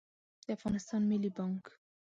د افغانستان ملي بانګ